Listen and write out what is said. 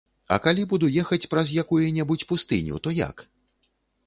А калі буду ехаць праз якую-небудзь пустыню, то як?